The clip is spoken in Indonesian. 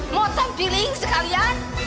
mau tempiling sekalian